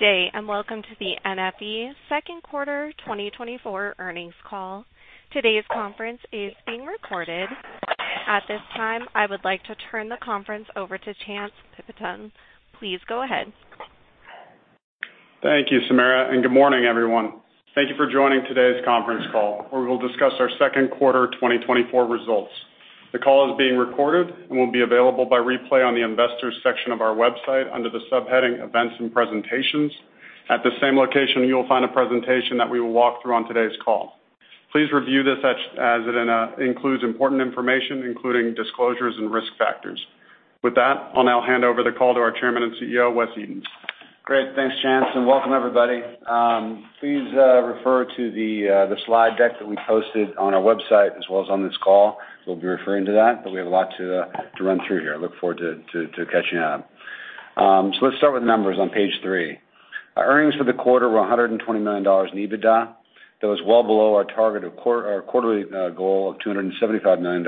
Good day, and welcome to the NFE second quarter 2024 earnings call. Today's conference is being recorded. At this time, I would like to turn the conference over to Chance Pipitone. Please go ahead. Thank you, Samara, and good morning, everyone. Thank you for joining today's conference call, where we will discuss our second quarter 2024 results. The call is being recorded and will be available by replay on the investors section of our website under the subheading Events and Presentations. At the same location, you will find a presentation that we will walk through on today's call. Please review this, as it includes important information, including disclosures and risk factors. With that, I'll now hand over the call to our Chairman and CEO, Wes Edens. Great, thanks, Chance, and welcome, everybody. Please refer to the slide deck that we posted on our website as well as on this call. We'll be referring to that, but we have a lot to run through here. I look forward to catching you up. So let's start with numbers on page three. Our earnings for the quarter were $120 million in EBITDA. That was well below our target of our quarterly goal of $275 million,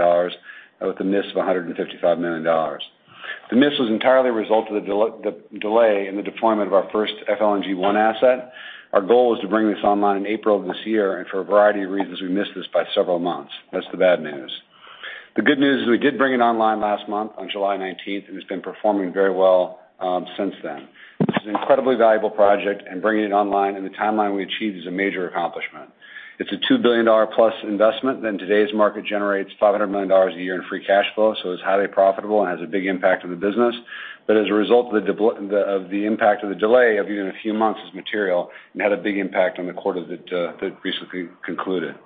with a miss of $155 million. The miss was entirely a result of the delay in the deployment of our first FLNG 1 asset. Our goal was to bring this online in April of this year, and for a variety of reasons, we missed this by several months. That's the bad news. The good news is we did bring it online last month on July nineteenth, and it's been performing very well since then. This is an incredibly valuable project, and bringing it online in the timeline we achieved is a major accomplishment. It's a $2 billion plus investment, and today's market generates $500 million a year in free cash flow, so it's highly profitable and has a big impact on the business. But as a result of the impact of the delay of even a few months is material and had a big impact on the quarter that recently concluded.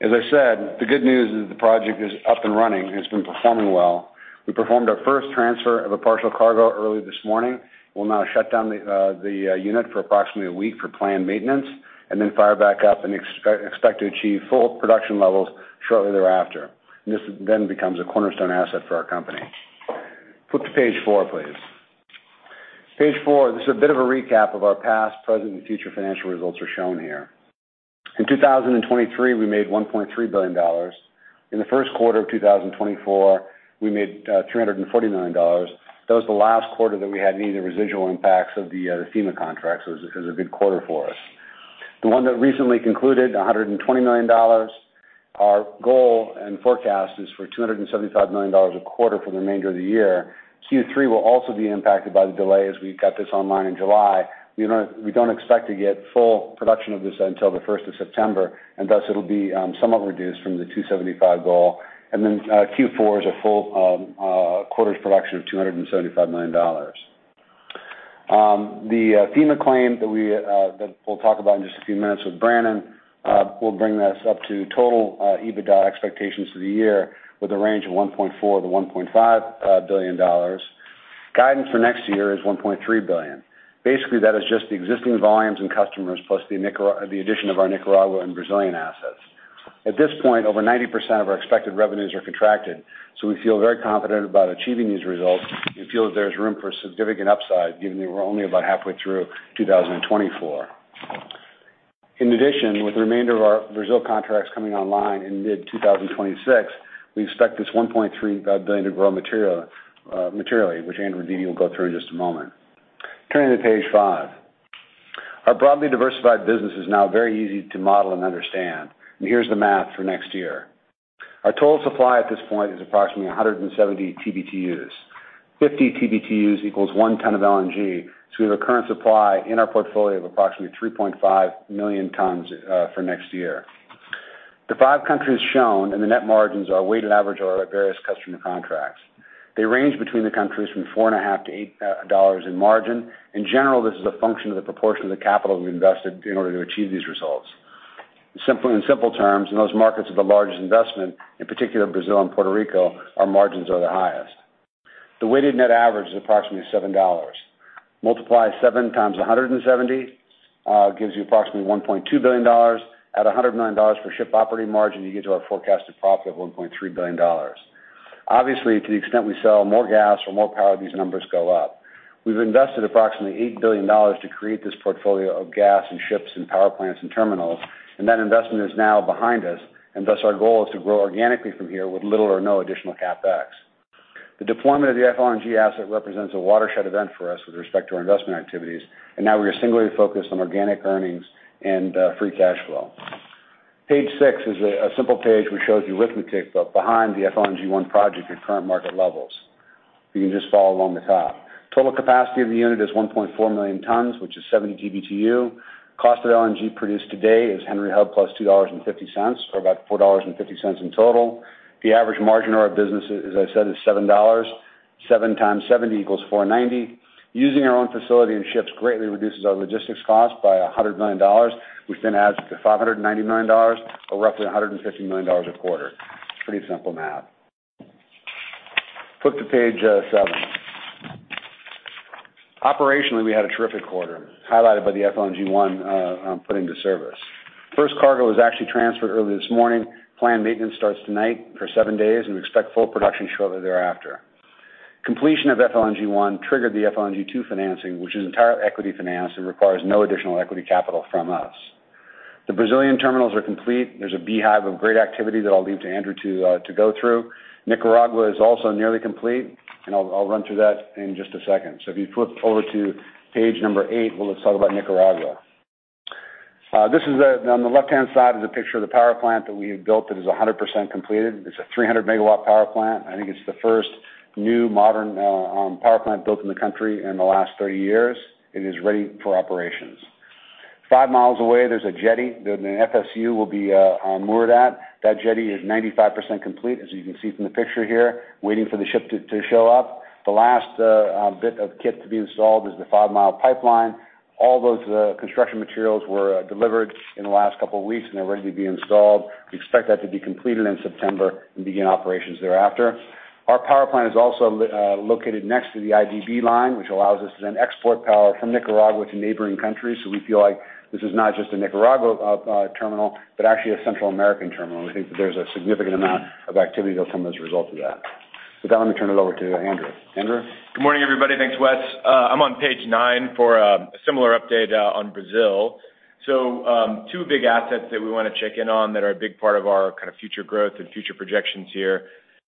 As I said, the good news is the project is up and running and has been performing well. We performed our first transfer of a partial cargo early this morning. We'll now shut down the unit for approximately a week for planned maintenance and then fire back up and expect to achieve full production levels shortly thereafter. And this then becomes a cornerstone asset for our company. Flip to page four, please. Page four, this is a bit of a recap of our past, present, and future financial results are shown here. In 2023, we made $1.3 billion. In the first quarter of 2024, we made $340 million. That was the last quarter that we had any of the residual impacts of the FEMA contracts. So this is a good quarter for us. The one that recently concluded, $120 million, our goal and forecast is for $275 million a quarter for the remainder of the year. Q3 will also be impacted by the delay as we got this online in July. We don't expect to get full production of this until the first of September, and thus it'll be somewhat reduced from the 275 goal. Q4 is a full quarter's production of $275 million. The FEMA claim that we'll talk about in just a few minutes with Brannen will bring us up to total EBITDA expectations for the year with a range of $1.4 billion-$1.5 billion. Guidance for next year is $1.3 billion. Basically, that is just the existing volumes and customers, plus the Nicar- the addition of our Nicaragua and Brazilian assets. At this point, over 90% of our expected revenues are contracted, so we feel very confident about achieving these results and feel that there's room for significant upside, given that we're only about halfway through 2024. In addition, with the remainder of our Brazil contracts coming online in mid-2026, we expect this $1.3 billion to grow material, materially, which Andrew Dete will go through in just a moment. Turning to page five. Our broadly diversified business is now very easy to model and understand, and here's the math for next year. Our total supply at this point is approximately 170 TBtu. 50 TBtu equals one ton of LNG, so we have a current supply in our portfolio of approximately 3.5 million tons for next year. The 5 countries shown and the net margins are a weighted average of our various customer contracts. They range between the countries from $4.5-$8 in margin. In general, this is a function of the proportion of the capital we invested in order to achieve these results. Simply, in simple terms, in those markets with the largest investment, in particular Brazil and Puerto Rico, our margins are the highest. The weighted net average is approximately $7. Multiply 7 times 170 gives you approximately $1.2 billion. At $100 million per ship operating margin, you get to our forecasted profit of $1.3 billion. Obviously, to the extent we sell more gas or more power, these numbers go up. We've invested approximately $8 billion to create this portfolio of gas and ships and power plants and terminals, and that investment is now behind us, and thus our goal is to grow organically from here with little or no additional CapEx. The deployment of the FLNG asset represents a watershed event for us with respect to our investment activities, and now we are singularly focused on organic earnings and free cash flow. Page six is a simple page which shows the arithmetic behind the FLNG One project at current market levels. You can just follow along the top. Total capacity of the unit is 1.4 million tons, which is 70 TBtu. Cost of LNG produced today is Henry Hub plus $2.50, or about $4.50 in total. The average margin of our business, as I said, is $7. 7 times 70 equals 490. Using our own facility and ships greatly reduces our logistics cost by $100 million, which then adds to $590 million, or roughly $150 million a quarter. Pretty simple math. Flip to page 7. Operationally, we had a terrific quarter, highlighted by the FLNG 1 putting to service. First cargo was actually transferred early this morning. Planned maintenance starts tonight for 7 days, and we expect full production shortly thereafter. Completion of FLNG 1 triggered the FLNG 2 financing, which is entirely equity financed and requires no additional equity capital from us. The Brazilian terminals are complete. There's a beehive of great activity that I'll leave to Andrew to go through. Nicaragua is also nearly complete, and I'll run through that in just a second. So if you flip over to page number 8, well, let's talk about Nicaragua. This is a-- on the left-hand side is a picture of the power plant that we have built that is 100% completed. It's a 300-megawatt power plant. I think it's the first new modern power plant built in the country in the last 30 years. It is ready for operations. Five miles away, there's a jetty that an FSU will be moored at. That jetty is 95% complete, as you can see from the picture here, waiting for the ship to show up. The last bit of kit to be installed is the five-mile pipeline. All those construction materials were delivered in the last couple of weeks, and they're ready to be installed. We expect that to be completed in September and begin operations thereafter. Our power plant is also located next to the IDB Line, which allows us to then export power from Nicaragua to neighboring countries. So we feel like this is not just a Nicaragua terminal, but actually a Central American terminal. We think that there's a significant amount of activity that'll come as a result of that. With that, let me turn it over to Andrew. Andrew? Good morning, everybody. Thanks, Wes. I'm on page nine for a similar update on Brazil. Two big assets that we wanna check in on that are a big part of our kind of future growth and future projections here.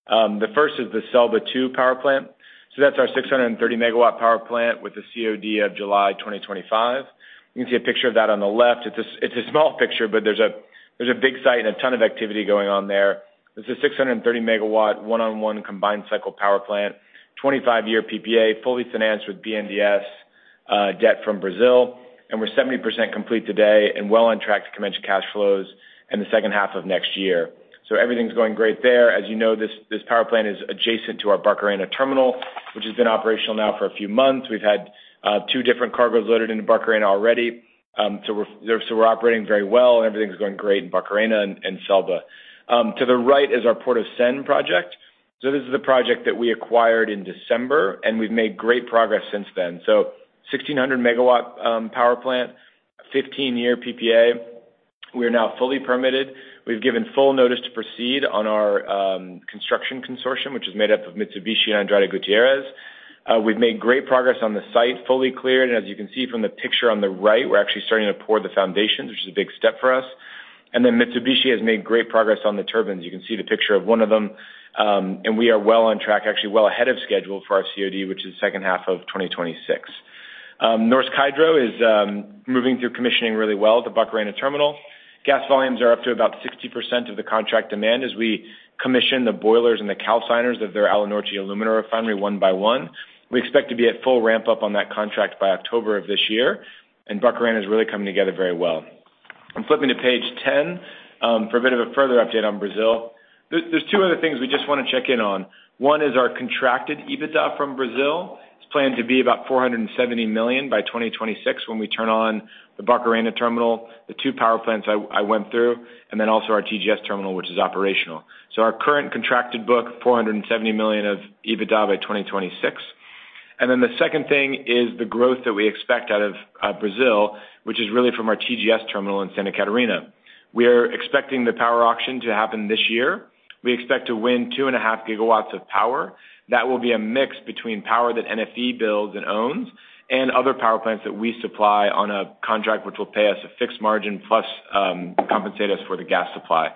The first is the CELBA 2 Power Plant. That's our 630-megawatt power plant with a COD of July 2025. You can see a picture of that on the left. It's a small picture, but there's a big site and a ton of activity going on there. This is 630-megawatt, one-on-one combined cycle power plant, 25-year PPA, fully financed with BNDES debt from Brazil, and we're 70% complete today and well on track to commence cash flows in the second half of next year. Everything's going great there. As you know, this power plant is adjacent to our Barcarena terminal, which has been operational now for a few months. We've had 2 different cargoes loaded into Barcarena already. So we're operating very well, and everything's going great in Barcarena and CELBA. To the right is our Portocém project. So this is the project that we acquired in December, and we've made great progress since then. So 1,600-MW power plant, 15-year PPA. We are now fully permitted. We've given full notice to proceed on our construction consortium, which is made up of Mitsubishi and Andrade Gutierrez. We've made great progress on the site, fully cleared, and as you can see from the picture on the right, we're actually starting to pour the foundations, which is a big step for us. Then Mitsubishi has made great progress on the turbines. You can see the picture of one of them, and we are well on track, actually, well ahead of schedule for our COD, which is the second half of 2026. Norsk Hydro is moving through commissioning really well at the Barcarena terminal. Gas volumes are up to about 60% of the contract demand as we commission the boilers and the calciners of their Alunorte alumina refinery one by one. We expect to be at full ramp-up on that contract by October of this year, and Barcarena is really coming together very well. I'm flipping to page 10 for a bit of a further update on Brazil. There, there's two other things we just wanna check in on. One is our contracted EBITDA from Brazil. It's planned to be about $470 million by 2026 when we turn on the Barcarena terminal, the two power plants I went through, and then also our TGS terminal, which is operational. So our current contracted book, $470 million of EBITDA by 2026. And then the second thing is the growth that we expect out of Brazil, which is really from our TGS terminal in Santa Catarina. We are expecting the power auction to happen this year. We expect to win 2.5 GW of power. That will be a mix between power that NFE builds and owns, and other power plants that we supply on a contract, which will pay us a fixed margin, plus compensate us for the gas supply.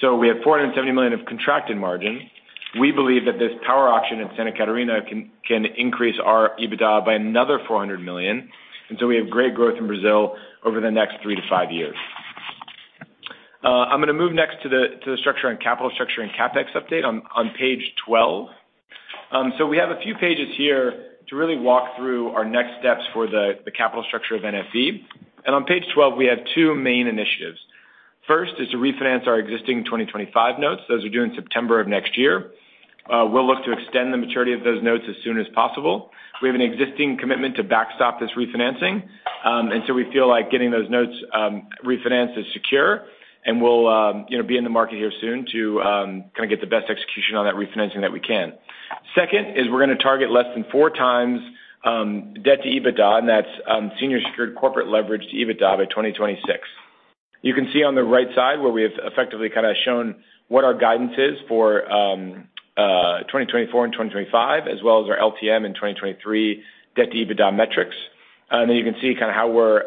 So we have $470 million of contracted margin. We believe that this power auction in Santa Catarina can increase our EBITDA by another $400 million, and so we have great growth in Brazil over the next 3-5 years. I'm gonna move next to the structure and capital structure and CapEx update on page 12. So we have a few pages here to really walk through our next steps for the capital structure of NFE. On page 12, we have two main initiatives. First is to refinance our existing 2025 notes. Those are due in September of next year. We'll look to extend the maturity of those notes as soon as possible. We have an existing commitment to backstop this refinancing, and so we feel like getting those notes refinanced is secure, and we'll, you know, be in the market here soon to kind of get the best execution on that refinancing that we can. Second, is we're gonna target less than 4x debt-to-EBITDA, and that's senior secured corporate leverage-to-EBITDA by 2026. You can see on the right side where we have effectively kinda shown what our guidance is for 2024 and 2025, as well as our LTM and 2023 debt-to-EBITDA metrics. And then you can see kinda how we're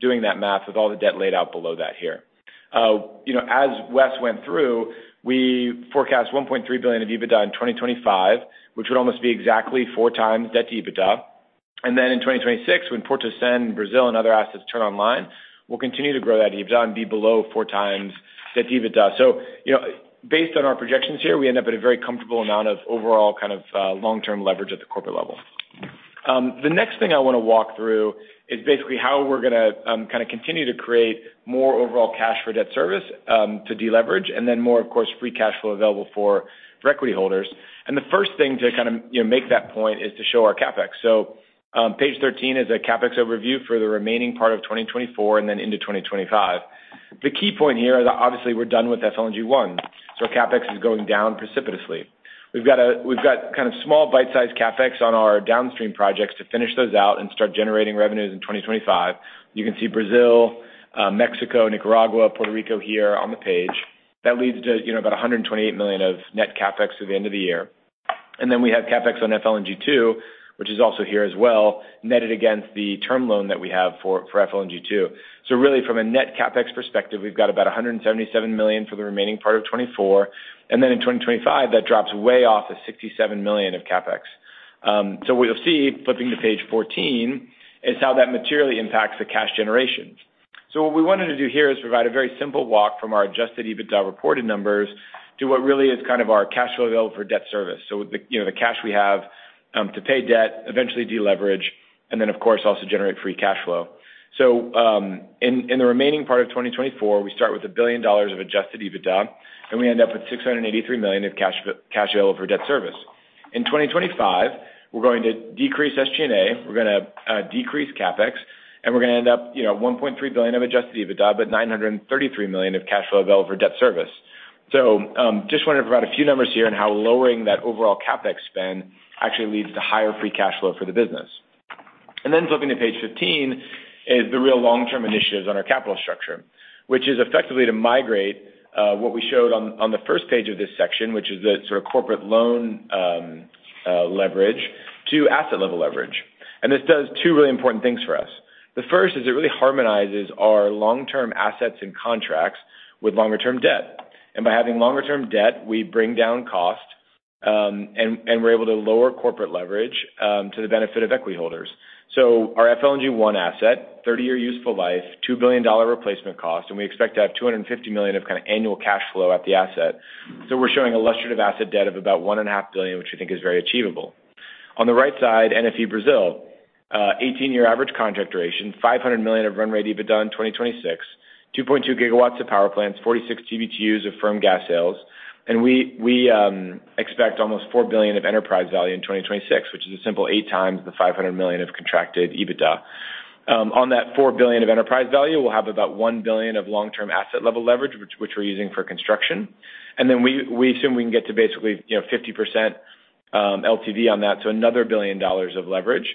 doing that math with all the debt laid out below that here. You know, as Wes went through, we forecast $1.3 billion of EBITDA in 2025, which would almost be exactly four times debt to EBITDA. And then in 2026, when Portocém, Brazil, and other assets turn online, we'll continue to grow that EBITDA and be below four times debt to EBITDA. So, you know, based on our projections here, we end up at a very comfortable amount of overall kind of long-term leverage at the corporate level. The next thing I wanna walk through is basically how we're gonna kinda continue to create more overall cash for debt service to deleverage, and then more, of course, free cash flow available for, for equity holders. And the first thing to kind of, you know, make that point is to show our CapEx. So, page thirteen is a CapEx overview for the remaining part of 2024 and then into 2025. The key point here is obviously we're done with FLNG 1, so CapEx is going down precipitously. We've got kind of small bite-sized CapEx on our downstream projects to finish those out and start generating revenues in 2025. You can see Brazil, Mexico, Nicaragua, Puerto Rico here on the page. That leads to, you know, about $128 million of net CapEx through the end of the year. And then we have CapEx on FLNG 2, which is also here as well, netted against the term loan that we have for FLNG 2. So really, from a net CapEx perspective, we've got about $177 million for the remaining part of 2024, and then in 2025, that drops way off to $67 million of CapEx. So what you'll see, flipping to page 14, is how that materially impacts the cash generation. So what we wanted to do here is provide a very simple walk from our adjusted EBITDA reported numbers to what really is kind of our cash flow available for debt service. So the, you know, the cash we have, to pay debt, eventually deleverage, and then, of course, also generate free cash flow. So, in the remaining part of 2024, we start with $1 billion of adjusted EBITDA, and we end up with $683 million of cash, cash available for debt service. In 2025, we're going to decrease SG&A, we're gonna decrease CapEx, and we're gonna end up, you know, at $1.3 billion of adjusted EBITDA, but $933 million of cash flow available for debt service. So just wanted to provide a few numbers here on how lowering that overall CapEx spend actually leads to higher free cash flow for the business. And then flipping to page 15, is the real long-term initiatives on our capital structure, which is effectively to migrate what we showed on the first page of this section, which is the sort of corporate loan leverage to asset-level leverage. And this does two really important things for us. The first is it really harmonizes our long-term assets and contracts with longer-term debt. By having longer-term debt, we bring down cost, and we're able to lower corporate leverage, to the benefit of equity holders. Our FLNG 1 asset, 30-year useful life, $2 billion replacement cost, and we expect to have $250 million of kind of annual cash flow at the asset. We're showing illustrative asset debt of about $1.5 billion, which we think is very achievable. On the right side, NFE Brazil, 18-year average contract duration, $500 million of run rate EBITDA in 2026, 2.2 gigawatts of power plants, 46 TBtus of firm gas sales. We expect almost $4 billion of enterprise value in 2026, which is a simple 8x the $500 million of contracted EBITDA. On that $4 billion of enterprise value, we'll have about $1 billion of long-term asset level leverage, which we're using for construction. Then we assume we can get to basically, you know, 50%, LTV on that, so another $1 billion of leverage.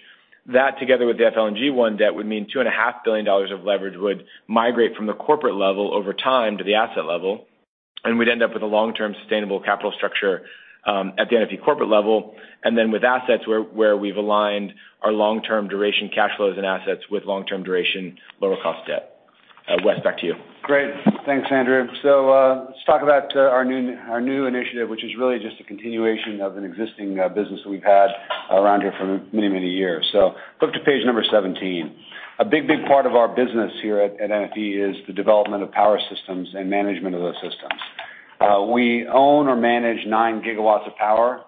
That, together with the FLNG one debt, would mean $2.5 billion of leverage would migrate from the corporate level over time to the asset level, and we'd end up with a long-term sustainable capital structure at the NFE corporate level, and then with assets where we've aligned our long-term duration cash flows and assets with long-term duration, lower cost debt. Wes, back to you. Great. Thanks, Andrew. So, let's talk about our new, our new initiative, which is really just a continuation of an existing business that we've had around here for many, many years. So flip to page number 17. A big, big part of our business here at NFE is the development of power systems and management of those systems. We own or manage nine gigawatts of power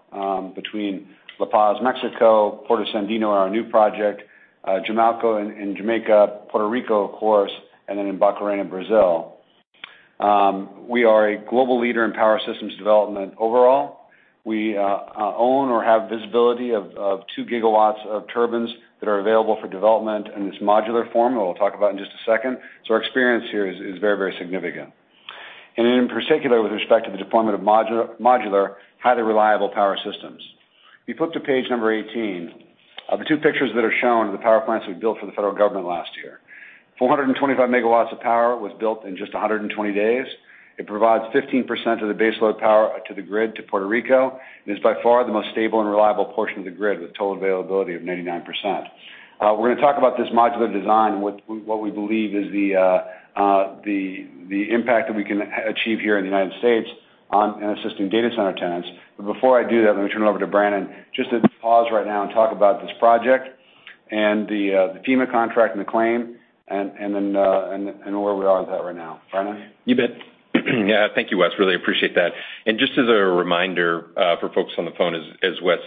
between La Paz, Mexico, Puerto Sandino, our new project, Jamalco in Jamaica, Puerto Rico, of course, and then in Barcarena, Brazil. We are a global leader in power systems development overall. We own or have visibility of two gigawatts of turbines that are available for development in this modular form, that we'll talk about in just a second. So our experience here is very, very significant, and in particular, with respect to the deployment of modular, highly reliable power systems. If you flip to page 18, the two pictures that are shown are the power plants we built for the federal government last year. 425 megawatts of power was built in just 120 days. It provides 15% of the base load power to the grid to Puerto Rico, and is by far the most stable and reliable portion of the grid, with total availability of 99%. We're gonna talk about this modular design, what we believe is the impact that we can achieve here in the United States on in assisting data center tenants. But before I do that, I'm gonna turn it over to Brannen, just to pause right now and talk about this project and the, the FEMA contract and the claim, and, and then, and, and where we are with that right now. Brannen? You bet. Yeah, thank you, Wes. Really appreciate that. Just as a reminder, for folks on the phone, as Wes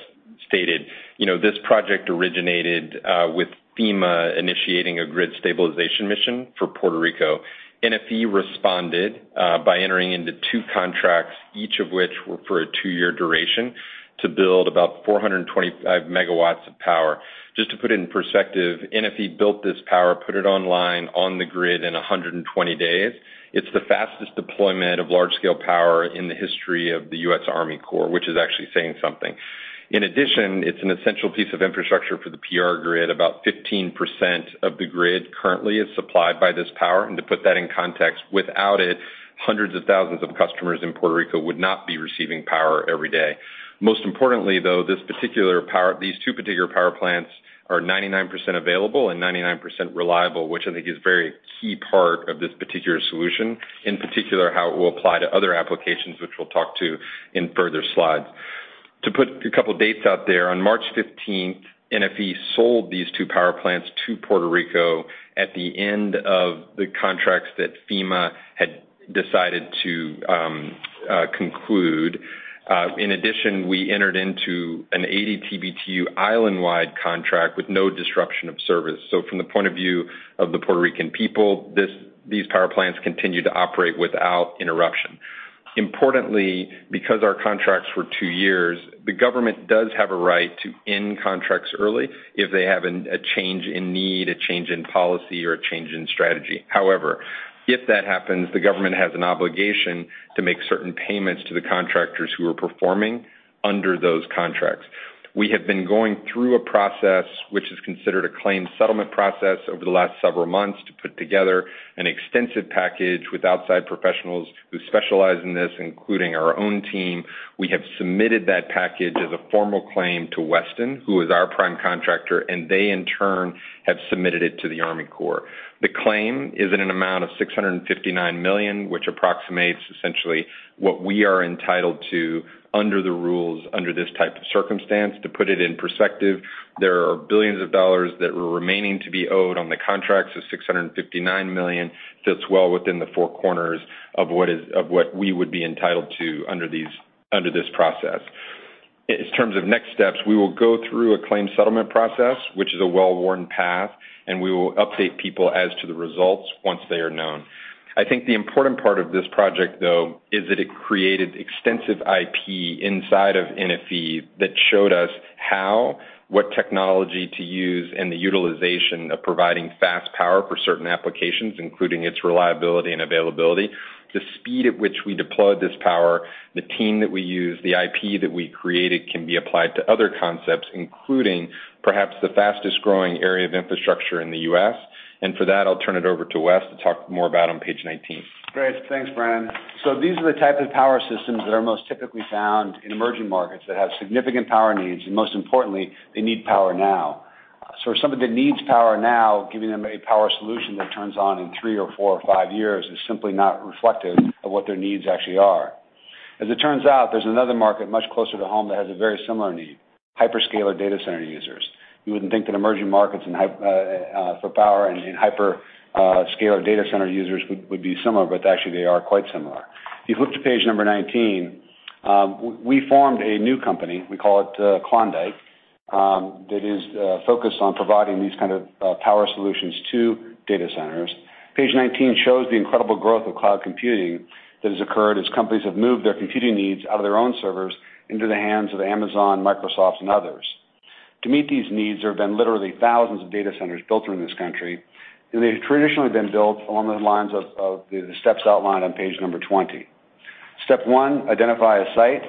stated, you know, this project originated with FEMA initiating a grid stabilization mission for Puerto Rico. NFE responded by entering into two contracts, each of which were for a two-year duration, to build about 425 MW of power. Just to put it in perspective, NFE built this power, put it online on the grid in 120 days. It's the fastest deployment of large-scale power in the history of the U.S. Army Corps, which is actually saying something. In addition, it's an essential piece of infrastructure for the PR grid. About 15% of the grid currently is supplied by this power, and to put that in context, without it, hundreds of thousands of customers in Puerto Rico would not be receiving power every day. Most importantly, though, this particular power, these two particular power plants are 99% available and 99% reliable, which I think is a very key part of this particular solution, in particular, how it will apply to other applications, which we'll talk to in further slides. To put a couple dates out there, on March fifteenth, NFE sold these two power plants to Puerto Rico at the end of the contracts that FEMA had decided to conclude. In addition, we entered into an 80 TBtu island-wide contract with no disruption of service. So from the point of view of the Puerto Rican people, these power plants continue to operate without interruption. Importantly, because our contracts were two years, the government does have a right to end contracts early if they have a change in need, a change in policy, or a change in strategy. However, if that happens, the government has an obligation to make certain payments to the contractors who are performing under those contracts. ... We have been going through a process, which is considered a claim settlement process, over the last several months to put together an extensive package with outside professionals who specialize in this, including our own team. We have submitted that package as a formal claim to Weston, who is our prime contractor, and they, in turn, have submitted it to the Army Corps. The claim is in an amount of $659 million, which approximates essentially what we are entitled to under the rules, under this type of circumstance. To put it in perspective, there are billions of dollars that were remaining to be owed on the contract, so $659 million fits well within the four corners of what we would be entitled to under this process. In terms of next steps, we will go through a claim settlement process, which is a well-worn path, and we will update people as to the results once they are known. I think the important part of this project, though, is that it created extensive IP inside of NFE that showed us how, what technology to use, and the utilization of providing fast power for certain applications, including its reliability and availability. The speed at which we deployed this power, the team that we used, the IP that we created, can be applied to other concepts, including perhaps the fastest-growing area of infrastructure in the U.S. And for that, I'll turn it over to Wes to talk more about on page 19. Great. Thanks, Brannen. So these are the type of power systems that are most typically found in emerging markets that have significant power needs, and most importantly, they need power now. So for somebody that needs power now, giving them a power solution that turns on in 3 or 4 or 5 years is simply not reflective of what their needs actually are. As it turns out, there's another market much closer to home that has a very similar need, hyperscaler data center users. You wouldn't think that emerging markets and hyperscaler data center users would be similar, but actually, they are quite similar. If you flip to page 19, we formed a new company, we call it Klondike, that is focused on providing these kind of power solutions to data centers. Page 19 shows the incredible growth of cloud computing that has occurred as companies have moved their computing needs out of their own servers into the hands of Amazon, Microsoft, and others. To meet these needs, there have been literally thousands of data centers built in this country, and they've traditionally been built along the lines of the steps outlined on page number 20. Step one: identify a site,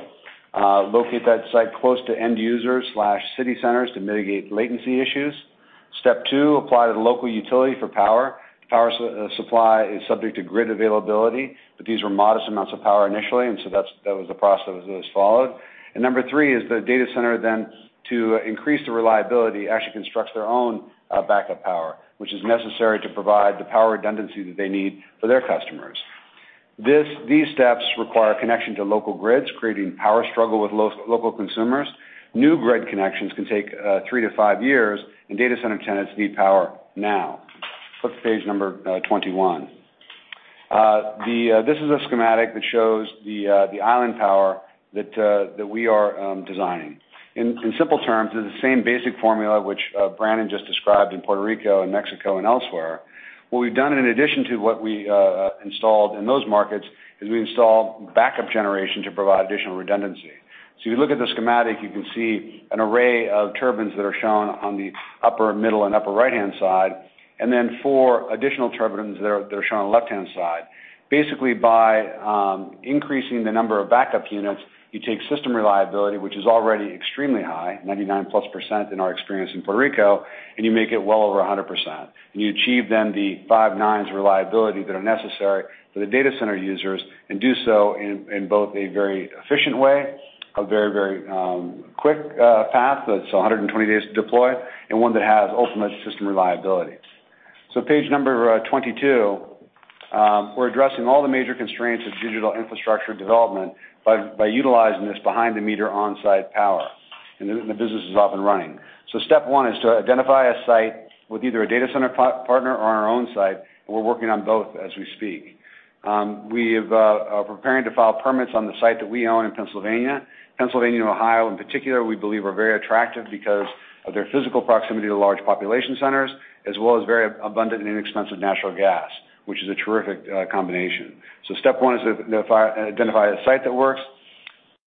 locate that site close to end users/city centers to mitigate latency issues. Step two: apply to the local utility for power. Power supply is subject to grid availability, but these were modest amounts of power initially, and so that was the process that was followed. Number three is the data center then to increase the reliability actually constructs their own backup power which is necessary to provide the power redundancy that they need for their customers. These steps require connection to local grids creating power struggle with local consumers. New grid connections can take 3-5 years and data center tenants need power now. Flip to page number 21. This is a schematic that shows the island power that we are designing. In simple terms it's the same basic formula which Brannen just described in Puerto Rico and Mexico and elsewhere. What we've done in addition to what we installed in those markets is we installed backup generation to provide additional redundancy. So you look at the schematic, you can see an array of turbines that are shown on the upper middle and upper right-hand side, and then four additional turbines that are shown on the left-hand side. Basically, by increasing the number of backup units, you take system reliability, which is already extremely high, 99%+ in our experience in Puerto Rico, and you make it well over 100%. And you achieve then the five nines reliability that are necessary for the data center users and do so in both a very efficient way, a very, very quick path, that's 120 days to deploy, and one that has ultimate system reliability. So page number 22, we're addressing all the major constraints of digital infrastructure development by utilizing this behind-the-meter on-site power, and the business is up and running. So step one is to identify a site with either a data center partner or on our own site, and we're working on both as we speak. We are preparing to file permits on the site that we own in Pennsylvania. Pennsylvania and Ohio, in particular, we believe are very attractive because of their physical proximity to large population centers, as well as very abundant and inexpensive natural gas, which is a terrific combination. So step one is to identify a site that works.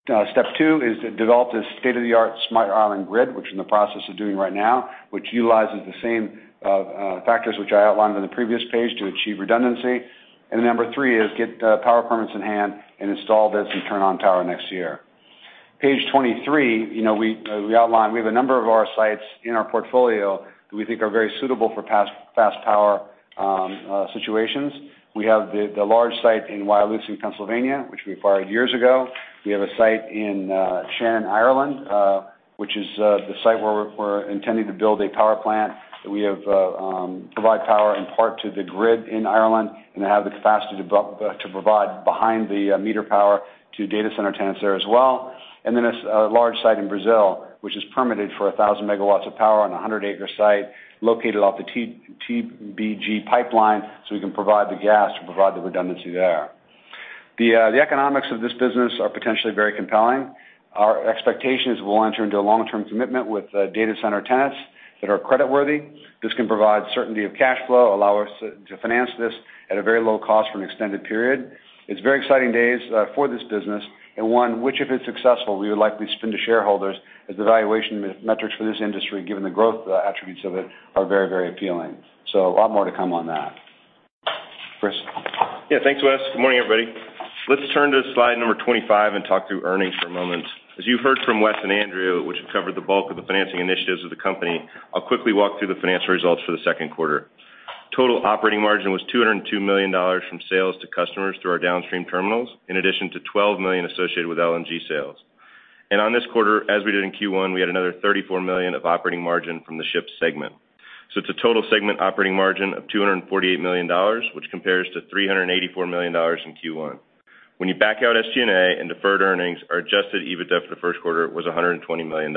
Step two is to develop this state-of-the-art smart island grid, which we're in the process of doing right now, which utilizes the same, factors which I outlined on the previous page to achieve redundancy. And number three is get, power permits in hand and install this and turn on power next year. Page 23, you know, we, we outlined—we have a number of our sites in our portfolio that we think are very suitable for fast power situations. We have the large site in Wyalusing, Pennsylvania, which we acquired years ago. We have a site in Shannon, Ireland, which is the site where we're intending to build a power plant that we have provide power in part to the grid in Ireland and have the capacity to provide behind-the-meter power to data center tenants there as well. And then a large site in Brazil, which is permitted for 1,000 megawatts of power on a 100-acre site located off the TBG Pipeline, so we can provide the gas to provide the redundancy there. The economics of this business are potentially very compelling. Our expectation is we'll enter into a long-term commitment with data center tenants that are creditworthy. This can provide certainty of cash flow, allow us to finance this at a very low cost for an extended period. It's very exciting days for this business, and one, which, if it's successful, we would likely spin to shareholders, as the valuation metrics for this industry, given the growth attributes of it, are very, very appealing. So a lot more to come on that.... Chris? Yeah, thanks, Wes. Good morning, everybody. Let's turn to slide number 25 and talk through earnings for a moment. As you heard from Wes and Andrew, which have covered the bulk of the financing initiatives of the company, I'll quickly walk through the financial results for the second quarter. Total operating margin was $202 million from sales to customers through our downstream terminals, in addition to $12 million associated with LNG sales. And on this quarter, as we did in Q1, we had another $34 million of operating margin from the ship segment. So it's a total segment operating margin of $248 million, which compares to $384 million in Q1. When you back out SG&A and deferred earnings, our adjusted EBITDA for the first quarter was $120 million.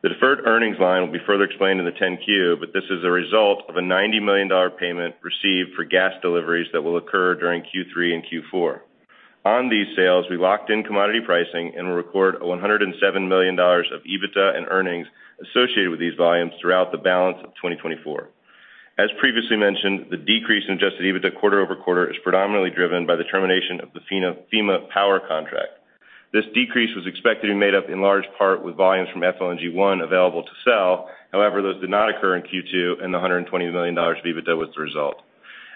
The deferred earnings line will be further explained in the 10-Q, but this is a result of a $90 million payment received for gas deliveries that will occur during Q3 and Q4. On these sales, we locked in commodity pricing and will record $107 million of EBITDA and earnings associated with these volumes throughout the balance of 2024. As previously mentioned, the decrease in adjusted EBITDA quarter-over-quarter is predominantly driven by the termination of the FEMA power contract. This decrease was expected to be made up in large part with volumes from FLNG 1 available to sell. However, those did not occur in Q2, and the $120 million of EBITDA was the result.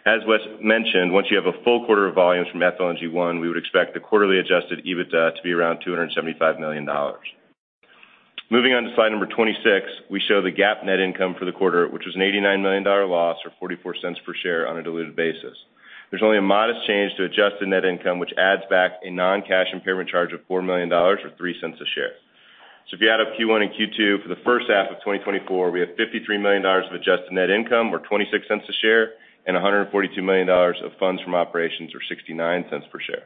As Wes mentioned, once you have a full quarter of volumes from FLNG 1, we would expect the quarterly adjusted EBITDA to be around $275 million. Moving on to slide number 26, we show the GAAP net income for the quarter, which was an $89 million loss, or $0.44 per share on a diluted basis. There's only a modest change to adjusted net income, which adds back a non-cash impairment charge of $4 million, or $0.03 a share. So if you add up Q1 and Q2 for the first half of 2024, we have $53 million of adjusted net income, or $0.26 a share, and $142 million of funds from operations or $0.69 per share.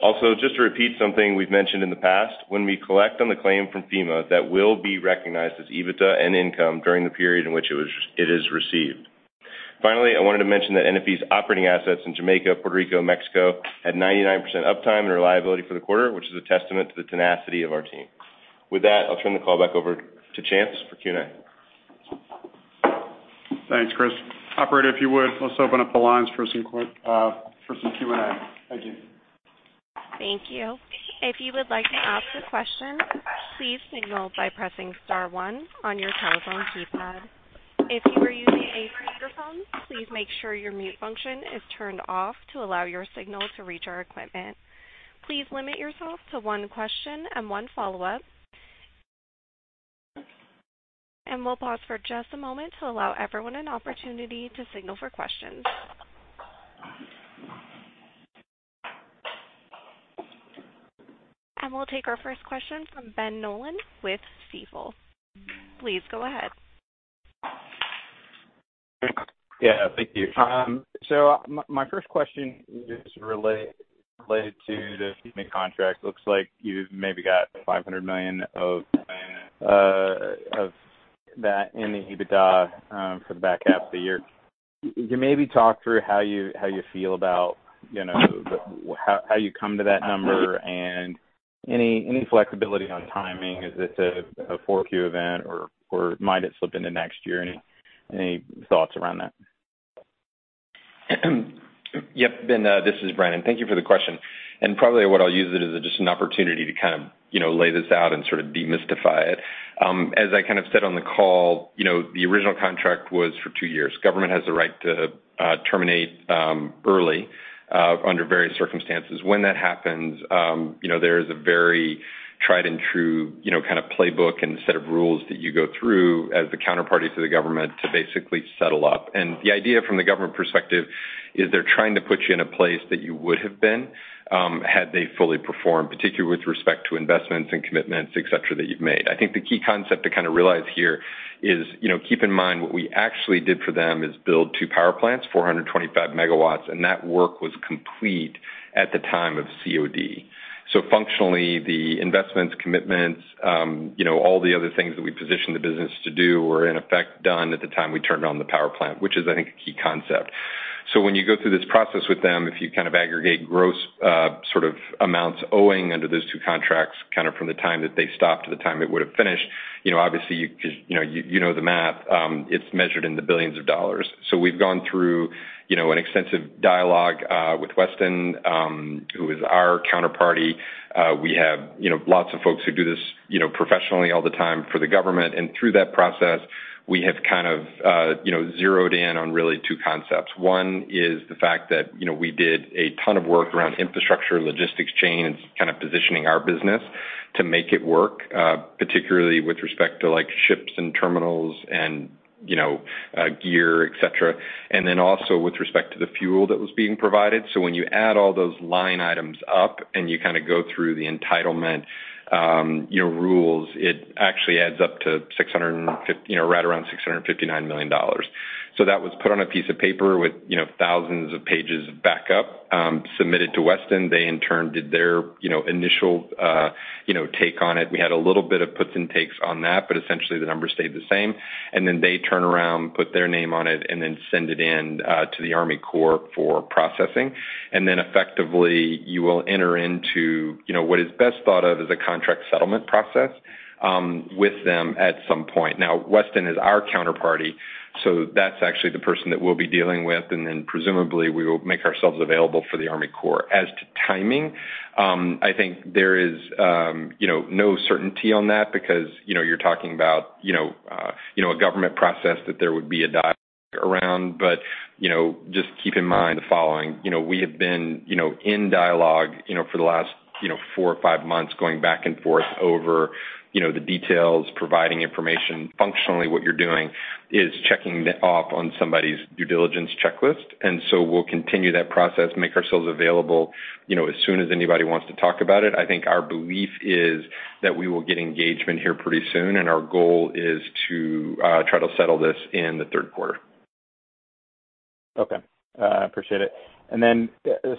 Also, just to repeat something we've mentioned in the past, when we collect on the claim from FEMA, that will be recognized as EBITDA and income during the period in which it is received. Finally, I wanted to mention that NFE's operating assets in Jamaica, Puerto Rico, Mexico, had 99% uptime and reliability for the quarter, which is a testament to the tenacity of our team. With that, I'll turn the call back over to Chance for Q&A. Thanks, Chris. Operator, if you would, let's open up the lines for some quick Q&A. Thank you. Thank you. If you would like to ask a question, please signal by pressing star one on your telephone keypad. If you are using a microphone, please make sure your mute function is turned off to allow your signal to reach our equipment. Please limit yourself to one question and one follow-up. We'll pause for just a moment to allow everyone an opportunity to signal for questions. We'll take our first question from Ben Nolan with Stifel. Please go ahead. Yeah, thank you. So my first question is related to the FEMA contract. Looks like you've maybe got $500 million of that in the EBITDA for the back half of the year. Can you maybe talk through how you, how you feel about, you know, how, how you come to that number and any flexibility on timing? Is this a 4Q event, or might it slip into next year? Any thoughts around that? Yep. Ben, this is Brannen. Thank you for the question. And probably what I'll use it as just an opportunity to kind of, you know, lay this out and sort of demystify it. As I kind of said on the call, you know, the original contract was for two years. Government has the right to terminate early under various circumstances. When that happens, you know, there is a very tried-and-true, you know, kind of playbook and set of rules that you go through as the counterparty to the government to basically settle up. And the idea from the government perspective is they're trying to put you in a place that you would have been had they fully performed, particularly with respect to investments and commitments, et cetera, that you've made. I think the key concept to kind of realize here is, you know, keep in mind, what we actually did for them is build two power plants, 425 megawatts, and that work was complete at the time of COD. So functionally, the investments, commitments, you know, all the other things that we positioned the business to do were in effect, done at the time we turned on the power plant, which is, I think, a key concept. So when you go through this process with them, if you kind of aggregate gross, sort of amounts owing under those two contracts, kind of from the time that they stopped to the time it would have finished, you know, obviously, you know, you know the math, it's measured in the $ billions. So we've gone through, you know, an extensive dialogue with Weston, who is our counterparty. We have, you know, lots of folks who do this, you know, professionally all the time for the government, and through that process, we have kind of, you know, zeroed in on really two concepts. One is the fact that, you know, we did a ton of work around infrastructure, logistics, chain, and kind of positioning our business to make it work, particularly with respect to, like, ships and terminals and, you know, gear, et cetera. And then also with respect to the fuel that was being provided. So when you add all those line items up and you kind of go through the entitlement, you know, rules, it actually adds up to right around $659 million. So that was put on a piece of paper with, you know, thousands of pages of backup, submitted to Weston. They in turn did their, you know, initial, you know, take on it. We had a little bit of puts and takes on that, but essentially the numbers stayed the same. And then they turn around, put their name on it, and then send it in to the Army Corps for processing. And then effectively, you will enter into, you know, what is best thought of as a contract settlement process with them at some point. Now, Weston is our counterparty, so that's actually the person that we'll be dealing with, and then presumably, we will make ourselves available for the Army Corps. As to timing, I think there is, you know, no certainty on that because, you know, you're talking about, you know, a government process that there would be around, but, you know, just keep in mind the following. You know, we have been, you know, in dialogue, you know, for the last, you know, four or five months, going back and forth over, you know, the details, providing information. Functionally, what you're doing is checking off on somebody's due diligence checklist, and so we'll continue that process, make ourselves available, you know, as soon as anybody wants to talk about it. I think our belief is that we will get engagement here pretty soon, and our goal is to try to settle this in the third quarter. Okay, appreciate it. And then,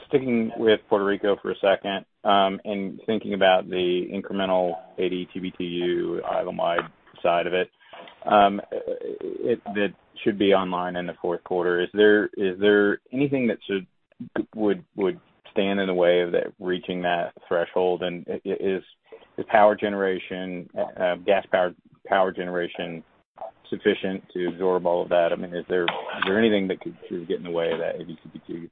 sticking with Puerto Rico for a second, and thinking about the incremental 80 TBtu island-wide side of it, that should be online in the fourth quarter, is there anything that would stand in the way of that reaching that threshold? And, is the power generation, gas-powered power generation sufficient to absorb all of that? I mean, is there anything that could get in the way of that 80 TBtu? Yep. So let me,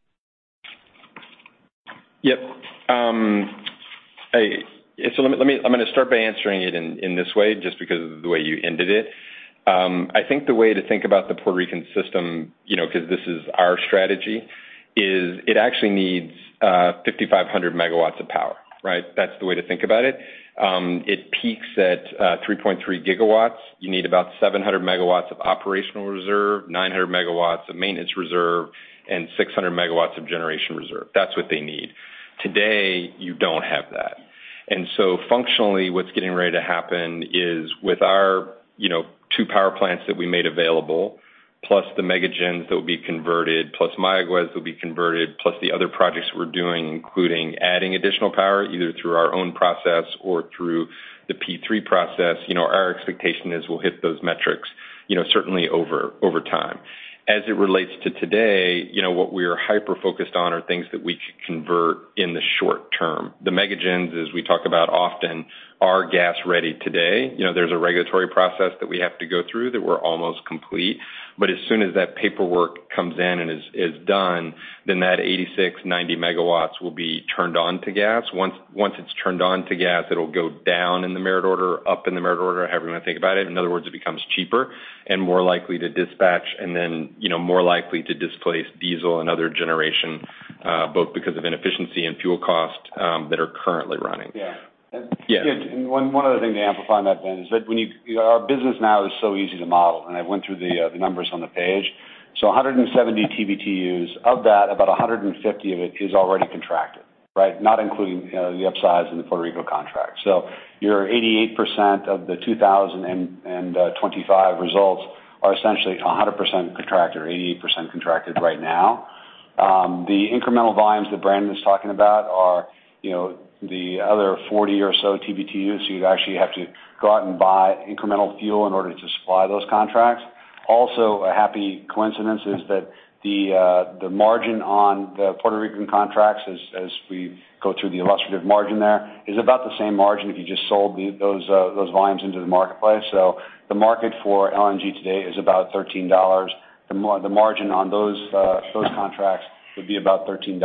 I'm gonna start by answering it in this way, just because of the way you ended it. I think the way to think about the Puerto Rican system, you know, because this is our strategy, is it actually needs 5,500 MW of power, right? That's the way to think about it. It peaks at 3.3 GW. You need about 700 MW of operational reserve, 900 MW of maintenance reserve, and 600 MW of generation reserve. That's what they need. Today, you don't have that. So functionally, what's getting ready to happen is with our, you know, 2 power plants that we made available, plus the MegaGens that will be converted, plus Mayagüez that will be converted, plus the other projects we're doing, including adding additional power, either through our own process or through the P3 process, you know, our expectation is we'll hit those metrics, you know, certainly over, over time. As it relates to today, you know, what we are hyper-focused on are things that we can convert in the short term. The MegaGens, as we talk about often, are gas-ready today. You know, there's a regulatory process that we have to go through that we're almost complete. But as soon as that paperwork comes in and is, is done, then that 86 MW-90 MW will be turned on to gas. Once it's turned on to gas, it'll go down in the merit order, up in the merit order, however you want to think about it. In other words, it becomes cheaper and more likely to dispatch, and then, you know, more likely to displace diesel and other generation, both because of inefficiency and fuel cost, that are currently running. Yeah. Yeah. One other thing to amplify on that, Ben, is that when you... Our business now is so easy to model, and I went through the numbers on the page. So 170 TBtu. Of that, about 150 of it is already contracted, right? Not including the upsize in the Puerto Rico contract. So your 88% of the 2025 results are essentially 100% contracted or 88% contracted right now. The incremental volumes that Brannen was talking about are, you know, the other 40 or so TBtu. You'd actually have to go out and buy incremental fuel in order to supply those contracts. Also, a happy coincidence is that the margin on the Puerto Rican contracts, as we go through the illustrative margin there, is about the same margin if you just sold those volumes into the marketplace. So the market for LNG today is about $13. The margin on those contracts would be about $13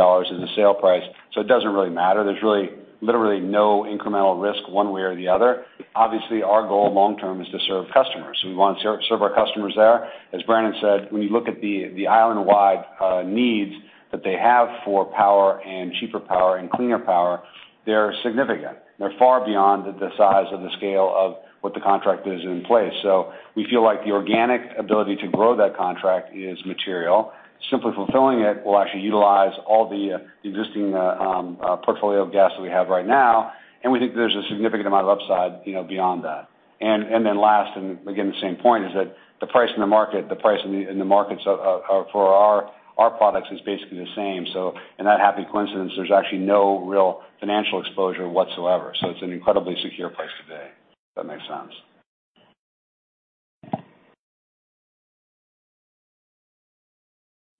as a sale price, so it doesn't really matter. There's really literally no incremental risk one way or the other. Obviously, our goal long term is to serve customers, so we want to serve our customers there. As Brannen said, when you look at the island-wide needs that they have for power and cheaper power and cleaner power, they're significant. They're far beyond the size of the scale of what the contract is in place. So we feel like the organic ability to grow that contract is material. Simply fulfilling it will actually utilize all the existing portfolio of gas that we have right now, and we think there's a significant amount of upside, you know, beyond that. And then last, and again, the same point, is that the price in the market, the price in the markets for our products is basically the same. So in that happy coincidence, there's actually no real financial exposure whatsoever. So it's an incredibly secure place today, if that makes sense.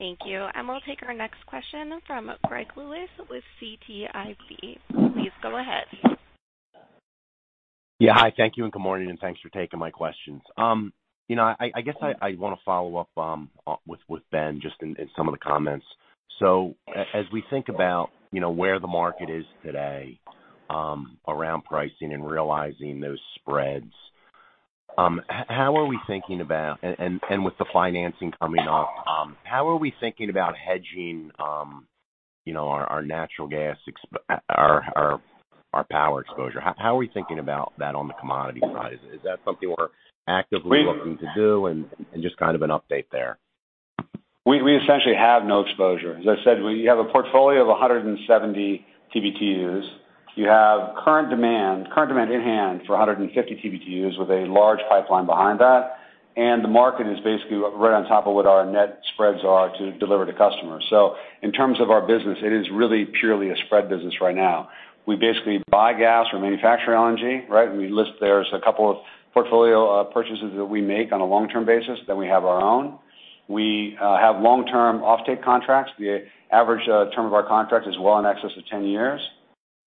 Thank you. And we'll take our next question from Greg Lewis with BTIG. Please go ahead. Yeah. Hi, thank you, and good morning, and thanks for taking my questions. You know, I guess I want to follow up on with Ben, just in some of the comments. So as we think about, you know, where the market is today, around pricing and realizing those spreads, how are we thinking about - and with the financing coming up, how are we thinking about hedging, you know, our natural gas exp - our power exposure? How are we thinking about that on the commodity side? Is that something we're actively looking to do? And just kind of an update there. We essentially have no exposure. As I said, we have a portfolio of 170 TBtu. We have current demand in hand for 150 TBtu with a large pipeline behind that. And the market is basically right on top of what our net spreads are to deliver to customers. So in terms of our business, it is really purely a spread business right now. We basically buy gas or manufacture LNG, right? We list there's a couple of portfolio purchases that we make on a long-term basis, then we have our own. We have long-term offtake contracts. The average term of our contract is well in excess of 10 years.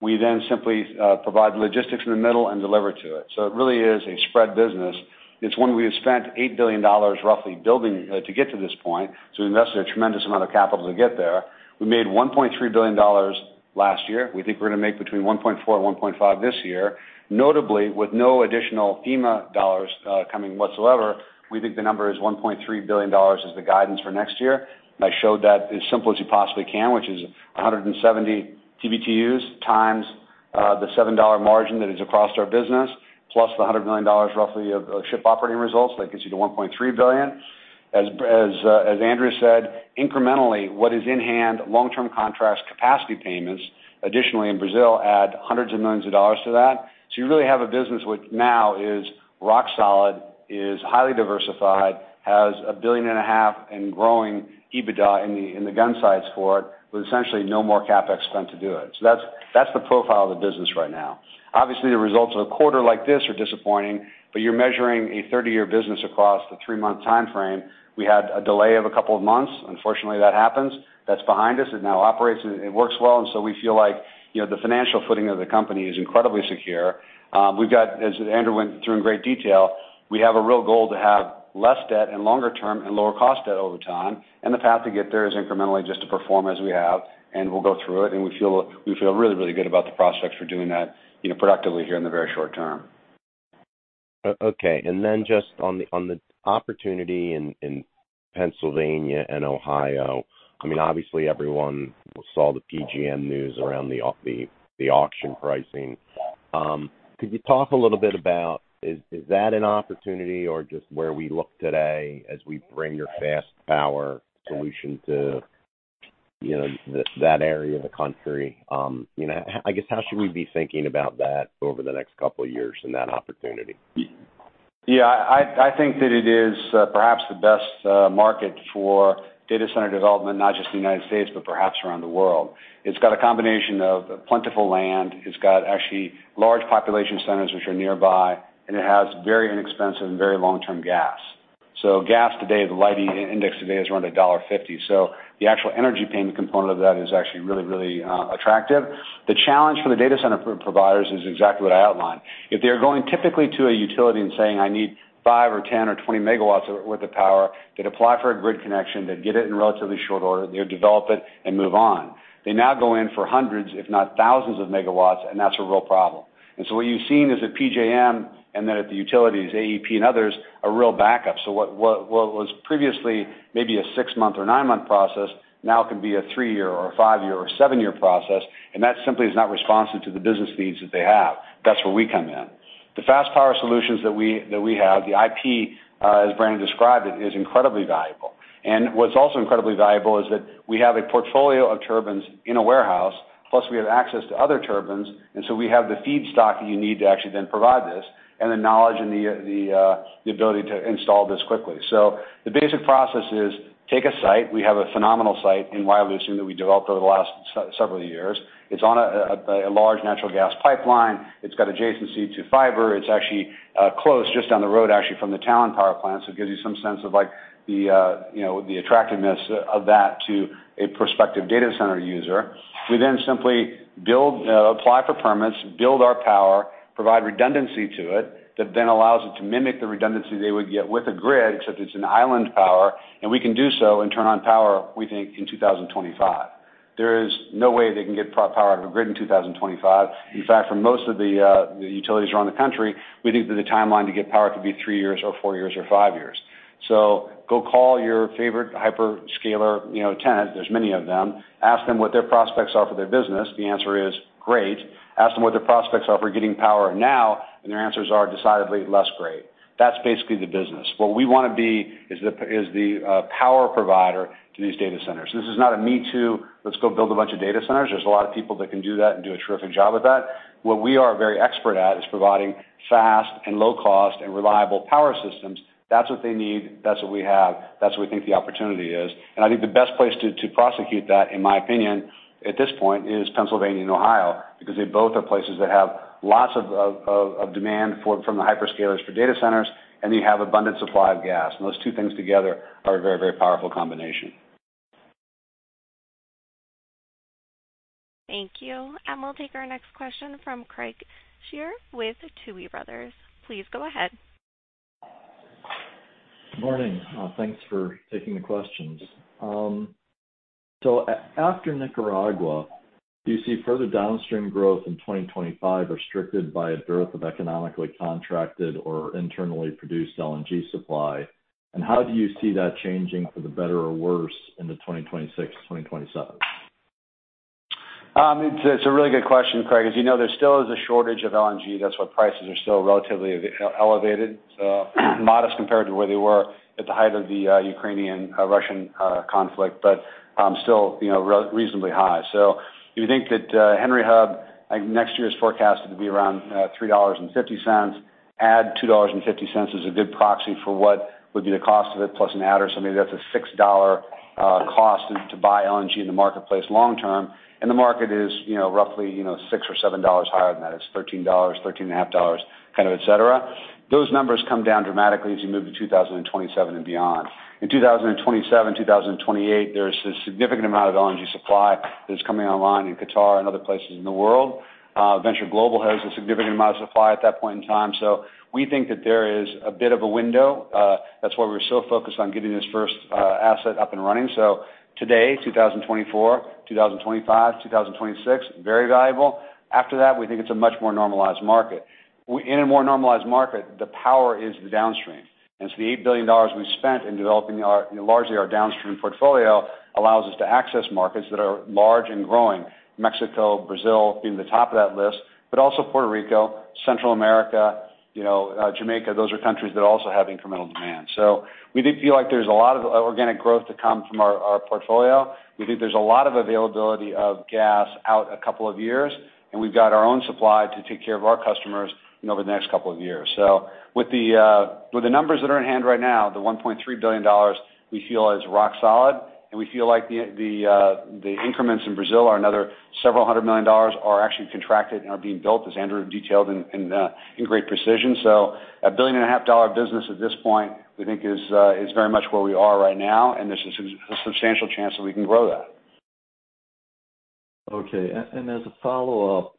We then simply provide logistics in the middle and deliver to it. So it really is a spread business. It's one we have spent $8 billion roughly building to get to this point, so we invested a tremendous amount of capital to get there. We made $1.3 billion last year. We think we're gonna make between $1.4 billion and $1.5 billion this year, notably with no additional FEMA dollars coming whatsoever. We think the number is $1.3 billion is the guidance for next year. And I showed that as simple as you possibly can, which is 170 TBTUs times the $7 margin that is across our business, plus the $100 million, roughly, of ship operating results. That gets you to $1.3 billion. As Andrew said, incrementally, what is in hand, long-term contracts, capacity payments, additionally in Brazil, add hundreds of millions of dollars to that. So you really have a business which now is rock solid, is highly diversified, has $1.5 billion and growing EBITDA in the gunsights for it, with essentially no more CapEx spend to do it. So that's, that's the profile of the business right now. Obviously, the results of a quarter like this are disappointing, but you're measuring a 30-year business across a 3-month time frame. We had a delay of a couple of months. Unfortunately, that happens. That's behind us. It now operates and it works well, and so we feel like, you know, the financial footing of the company is incredibly secure. We've got, as Andrew went through in great detail, we have a real goal to have less debt and longer term and lower cost debt over time. The path to get there is incrementally just to perform as we have, and we'll go through it, and we feel, we feel really, really good about the prospects for doing that, you know, productively here in the very short term. Okay, and then just on the opportunity in Pennsylvania and Ohio, I mean, obviously everyone saw the PJM news around the auction pricing. Could you talk a little bit about, is that an opportunity or just where we look today as we bring your fast power solution to, you know, that area of the country? You know, I guess, how should we be thinking about that over the next couple of years and that opportunity? Yeah, I think that it is perhaps the best market for data center development, not just the United States, but perhaps around the world. It's got a combination of plentiful land, it's got actually large population centers, which are nearby, and it has very inexpensive and very long-term gas. So gas today, the Henry Hub index today is around $1.50. So the actual energy payment component of that is actually really, really attractive. The challenge for the data center providers is exactly what I outlined. If they're going typically to a utility and saying, "I need 5 or 10 or 20 MW worth of power," they'd apply for a grid connection, they'd get it in relatively short order, they develop it and move on. They now go in for hundreds, if not thousands of megawatts, and that's a real problem. So what you've seen is at PJM, and then at the utilities, AEP and others, are real backup. So what was previously maybe a 6-month or 9-month process, now can be a 3-year or a 5-year or 7-year process, and that simply is not responsive to the business needs that they have. That's where we come in. The fast power solutions that we have, the IP, as Brannen described it, is incredibly valuable. And what's also incredibly valuable is that we have a portfolio of turbines in a warehouse, plus we have access to other turbines, and so we have the feedstock you need to actually then provide this, and the knowledge and the ability to install this quickly. So the basic process is: take a site. We have a phenomenal site in Wyalusing that we developed over the last several years. It's on a large natural gas pipeline. It's got adjacency to fiber. It's actually close, just down the road, actually, from the Talen power plant. So it gives you some sense of, like, you know, the attractiveness of that to a prospective data center user. We then simply build, apply for permits, build our power, provide redundancy to it, that then allows it to mimic the redundancy they would get with a grid, except it's an island power, and we can do so and turn on power, we think, in 2025. There is no way they can get power out of a grid in 2025. In fact, for most of the, the utilities around the country, we think that the timeline to get power could be 3 years or 4 years or 5 years. So go call your favorite hyperscaler, you know, tenant, there's many of them. Ask them what their prospects are for their business. The answer is: great. Ask them what their prospects are for getting power now, and their answers are decidedly less great. That's basically the business. What we want to be is the, is the, power provider to these data centers. This is not a me too, let's go build a bunch of data centers. There's a lot of people that can do that and do a terrific job with that. What we are very expert at is providing fast and low cost and reliable power systems. That's what they need, that's what we have, that's what we think the opportunity is. I think the best place to prosecute that, in my opinion, at this point, is Pennsylvania and Ohio, because they both are places that have lots of demand from the hyperscalers for data centers, and you have abundant supply of gas. Those two things together are a very, very powerful combination. Thank you. We'll take our next question from Craig Shere with Tuohy Brothers. Please go ahead. Morning. Thanks for taking the questions. So after Nicaragua, do you see further downstream growth in 2025, restricted by a dearth of economically contracted or internally produced LNG supply? And how do you see that changing for the better or worse into 2026, 2027? It's a really good question, Craig. As you know, there still is a shortage of LNG. That's why prices are still relatively elevated, modest compared to where they were at the height of the Ukraine-Russia conflict, but still, you know, reasonably high. So you think that Henry Hub, I think next year's forecast is to be around $3.50, add $2.50 is a good proxy for what would be the cost of it, plus an adder. So maybe that's a $6 cost to buy LNG in the marketplace long term. And the market is, you know, roughly, you know, six or seven dollars higher than that. It's $13, $13.50, kind of et cetera. Those numbers come down dramatically as you move to 2027 and beyond. In 2027, 2028, there's a significant amount of LNG supply that's coming online in Qatar and other places in the world. Venture Global has a significant amount of supply at that point in time. So we think that there is a bit of a window. That's why we're so focused on getting this first asset up and running. So today, 2024, 2025, 2026, very valuable. After that, we think it's a much more normalized market. In a more normalized market, the power is the downstream, and it's the $8 billion we've spent in developing our, largely our downstream portfolio, allows us to access markets that are large and growing. Mexico, Brazil being the top of that list, but also Puerto Rico, Central America, you know, Jamaica, those are countries that also have incremental demand. So we do feel like there's a lot of organic growth to come from our portfolio. We think there's a lot of availability of gas out a couple of years, and we've got our own supply to take care of our customers, you know, over the next couple of years. So with the numbers that are in hand right now, the $1.3 billion, we feel is rock solid, and we feel like the increments in Brazil are another several hundred million dollars, are actually contracted and are being built, as Andrew detailed in great precision. So a $1.5 billion business at this point, we think, is very much where we are right now, and there's a substantial chance that we can grow that. Okay. As a follow-up,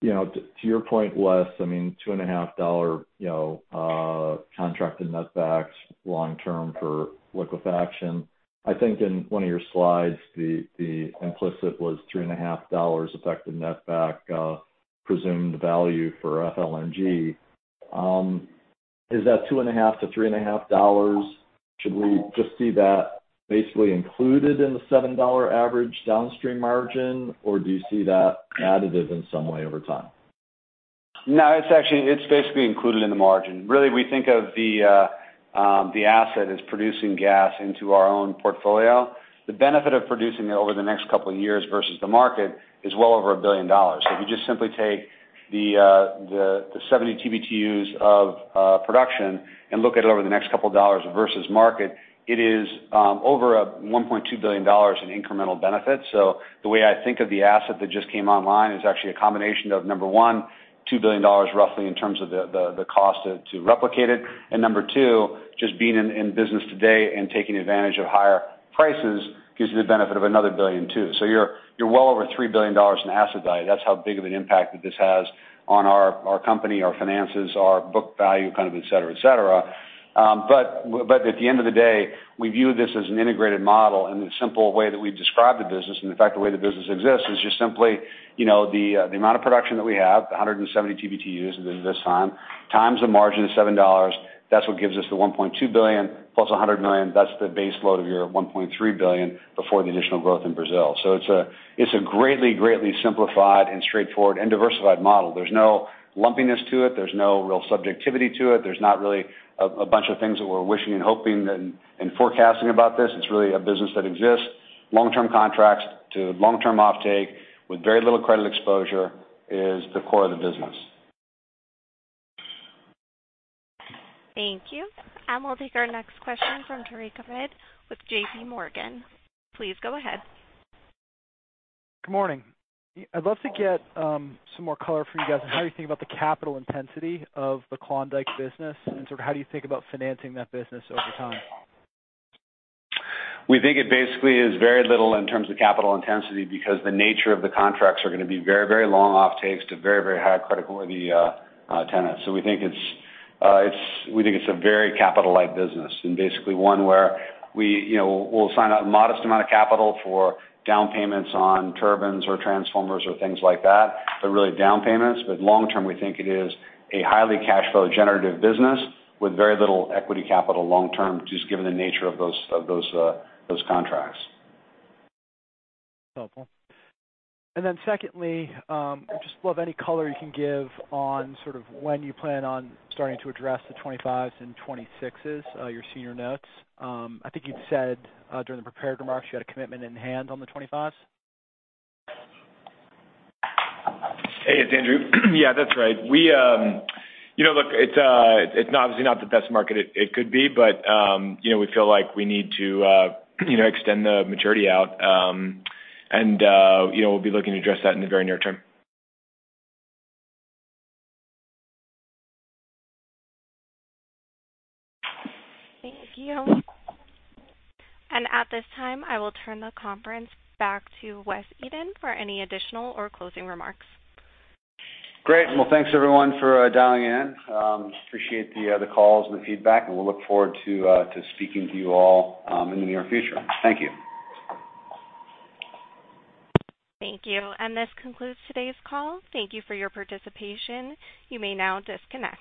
you know, to your point, Wes, I mean, $2.5, you know, contracted netbacks long term for liquefaction. I think in one of your slides, the implicit was $3.5 effective netback, presumed value for FLNG. Is that $2.5-$3.5? Should we just see that basically included in the $7 average downstream margin, or do you see that additive in some way over time? No, it's actually it's basically included in the margin. Really, we think of the the asset as producing gas into our own portfolio. The benefit of producing it over the next couple of years versus the market is well over $1 billion. So if you just simply take the the the 70 TBtu of production and look at it over the next couple of years versus market, it is over a $1.2 billion in incremental benefits. So the way I think of the asset that just came online is actually a combination of, number one, $2 billion, roughly in terms of the the the cost to to replicate it. And number two, just being in in business today and taking advantage of higher prices gives you the benefit of another $1 billion, too. So you're well over $3 billion in asset value. That's how big of an impact that this has on our company, our finances, our book value, kind of et cetera, et cetera. But at the end of the day, we view this as an integrated model. And the simple way that we've described the business, and in fact, the way the business exists, is just simply, you know, the amount of production that we have, the 170 TBtu at this time, times the margin of $7, that's what gives us the $1.2 billion + $100 million. That's the base load of your $1.3 billion before the additional growth in Brazil. So it's a greatly, greatly simplified and straightforward and diversified model. There's no lumpiness to it. There's no real subjectivity to it. There's not really a bunch of things that we're wishing and hoping and forecasting about this. It's really a business that exists. Long-term contracts to long-term offtake with very little credit exposure is the core of the business. Thank you. We'll take our next question from Tarek Hamid with JPMorgan. Please go ahead. Good morning. I'd love to get some more color from you guys on how you think about the capital intensity of the Klondike business, and sort of how do you think about financing that business over time? We think it basically is very little in terms of capital intensity because the nature of the contracts are gonna be very, very long offtakes to very, very high creditworthy tenants. So we think it's we think it's a very capital light business, and basically one where we, you know, we'll sign a modest amount of capital for down payments on turbines or transformers or things like that. They're really down payments, but long term, we think it is a highly cash flow generative business with very little equity capital long term, just given the nature of those, of those those contracts. Helpful. And then secondly, I'd just love any color you can give on sort of when you plan on starting to address the 2025s and 2026s, your senior notes. I think you'd said, during the prepared remarks, you had a commitment in hand on the 2025s. Hey, it's Andrew. Yeah, that's right. We, you know, look, it's obviously not the best market it could be, but, you know, we feel like we need to, you know, extend the maturity out. And, you know, we'll be looking to address that in the very near term. Thank you. At this time, I will turn the conference back to Wes Edens for any additional or closing remarks. Great. Well, thanks everyone for dialing in. Appreciate the calls and the feedback, and we'll look forward to speaking to you all in the near future. Thank you. Thank you. This concludes today's call. Thank you for your participation. You may now disconnect.